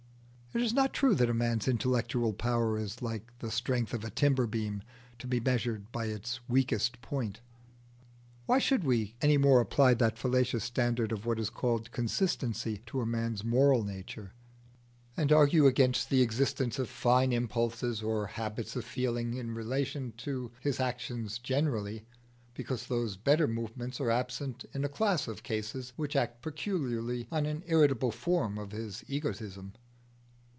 It is not true that a man's intellectual power is like the strength of a timber beam, to be measured by its weakest point. Why should we any more apply that fallacious standard of what is called consistency to a man's moral nature, and argue against the existence of fine impulses or habits of feeling in relation to his actions generally, because those better movements are absent in a class of cases which act peculiarly on an irritable form of his egoism?